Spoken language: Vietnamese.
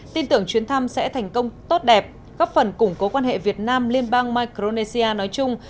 tin tưởng chuyến thăm sẽ thành công tốt đẹp góp phần củng cố quan hệ việt nam liên bang micronesia nói chung